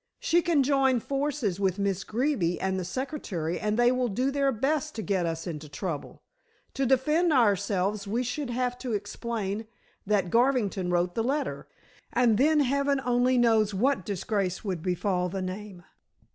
"She can join forces with Miss Greeby and the secretary, and they will do their best to get us into trouble. To defend ourselves we should have to explain that Garvington wrote the letter, and then heaven only knows what disgrace would befall the name."